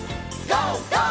ＧＯ！